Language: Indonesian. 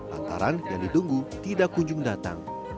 lantaran yang ditunggu tidak kunjung datang